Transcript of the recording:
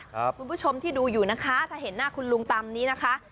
คุณผู้ชมที่ดูอยู่นะคะถ้าเห็นหน้าคุณลุงตามนี้นะคะ